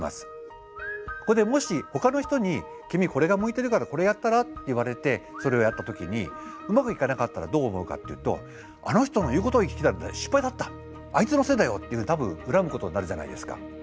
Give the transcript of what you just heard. ここでもしほかの人に「君これが向いてるからこれやったら？」って言われてそれをやった時にうまくいかなかったらどう思うかっていうとあの人の言うことを聞いたから失敗だったあいつのせいだよっていうふうに多分恨むことになるじゃないですか。